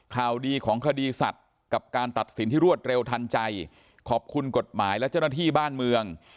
ข่าวดีของคดีสัตว์กับการตัดสินที่รวดเร็วทันใจขอบคุณกฎหมายและเจ้าหน้าที่บ้านเมือง